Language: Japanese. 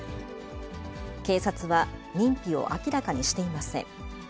警察は認否を明らかにしていません。